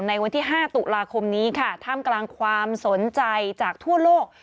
ในวันที่๕ตุลาคมนี้ค่ะท่ามกลางความสนใจจากทั่วโลก